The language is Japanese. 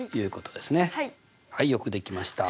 はいよくできました。